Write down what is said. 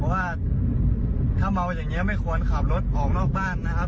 เพราะว่าถ้าเมาอย่างนี้ไม่ควรขับรถออกนอกบ้านนะครับ